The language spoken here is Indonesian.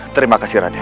terima kasih raden